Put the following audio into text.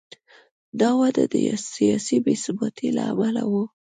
دا وده د سیاسي بې ثباتۍ له امله و.